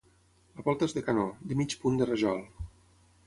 La volta és de canó, de mig punt de rajol.